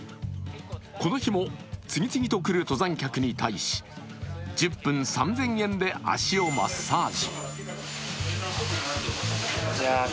この日も次々と来る登山客に対し１０分３０００円で足をマッサージ。